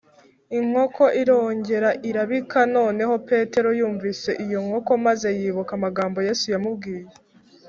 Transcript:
inkoko irongera irabika noneho petero yumvise iyo nkoko, maze yibuka amagambo yesu yamubwiye